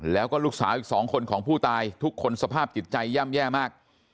แล้วก็ลูกสาวอีก๒คนของผู้ตายทุกคนสภาพจิตใจย่ำแย่มาก